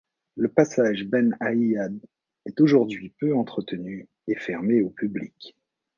Le passage Ben-Aïad est aujourd'hui peu entretenu et fermé au public.